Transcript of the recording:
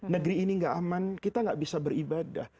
negeri ini tidak aman kita tidak bisa beribadah